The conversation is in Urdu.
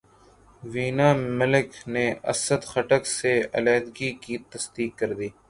وینا ملک نے اسد خٹک سے علیحدگی کی تصدیق کردی